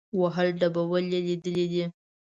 وهل ډبول یې لیدلي دي.